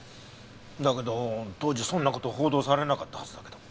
だけど当時そんな事報道されなかったはずだけど。